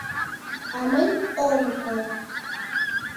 А мый – ом кол.